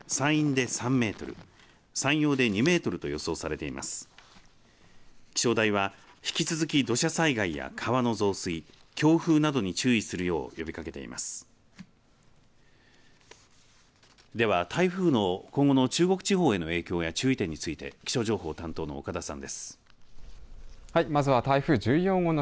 では台風の今後の中国地方への影響や注意点について気象情報担当の岡田さんです。